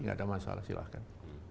gak ada masalah silahkan